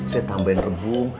saya tambahin rebung